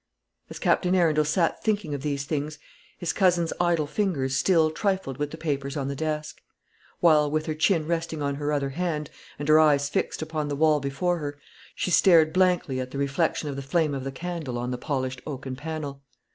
As Captain Arundel sat thinking of these things, his cousin's idle fingers still trifled with the papers on the desk; while, with her chin resting on her other hand, and her eyes fixed upon the wall before her, she stared blankly at the reflection of the flame of the candle on the polished oaken panel.